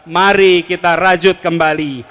mari kita rajut kembali